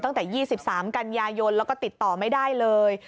ตั้งแต่๒๓กันยายนแล้วก็ติดต่อไม่ได้เลย